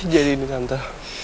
jadi ini tante